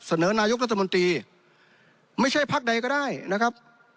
เสนอนายกรัฐมนตรีไม่ใช่พักใดก็ได้นะครับ